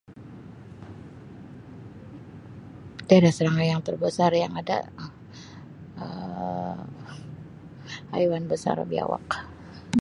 Tiada serangga yang terbesar yang ada Um haiwan besar Biawak.